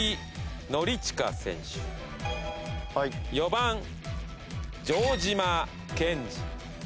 ４番城島健司。